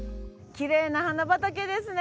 きれいな花畑ですね。